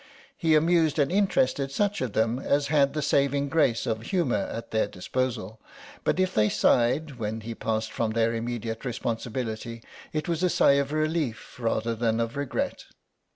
He amused and interested such of them as had the saving grace of humour at their disposal, but if they sighed when he passed from their immediate responsibility it was a sigh of relief rather than of regret.